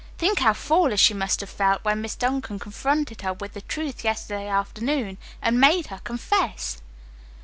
Think how foolish she must have felt when Miss Duncan confronted her with the truth yesterday afternoon and made her confess!"